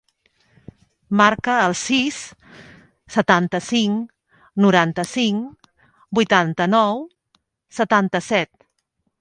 Marca el sis, setanta-cinc, noranta-cinc, vuitanta-nou, setanta-set.